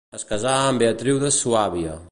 Es casà amb Beatriu de Suàbia.